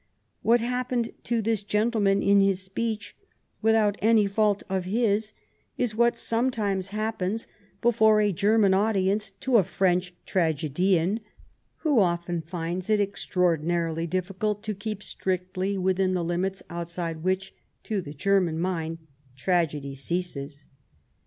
What happened to this gentleman in his speech, without any fault of his, is what sometimes happens before M 177 Bismarck a German audience to a French tragedian, who often finds it extraordinarily difficult to keep strictly within the limits outside which, to the German mind, tragedy ceases."